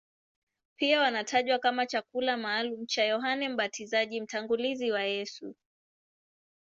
Pia wanatajwa kama chakula maalumu cha Yohane Mbatizaji, mtangulizi wa Yesu.